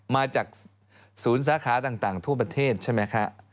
มาจากศูนย์สาขาต่างทั่วประเทศใช่ไหมคะ